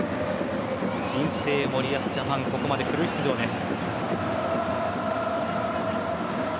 新生森保ジャパンここまでフル出場です。